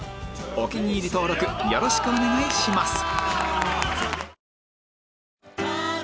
お気に入り登録よろしくお願いします